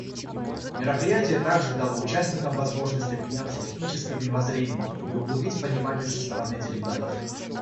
Мероприятие также дало участникам возможность обменяться техническими воззрениями и углубить понимание со стороны делегатов.